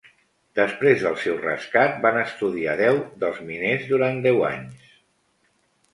Després del seu rescat, van estudiar deu dels miners durant deu anys.